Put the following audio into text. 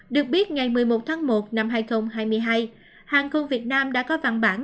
được biết ngày một mươi một tháng một năm hai nghìn hai mươi hai hàng không việt nam đã có văn bản